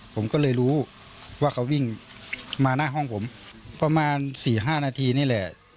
ผมก็เลยรู้ว่าเขาวิ่งมาหน้าห้องผมประมาณสี่ห้านาทีนี่แหละ